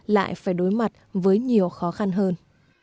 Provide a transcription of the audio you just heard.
lại phải đối mặt với nhiều khó khăn hơn